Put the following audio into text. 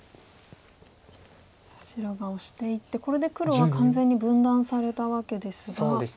白がオシていってこれで黒は完全に分断されたわけですが。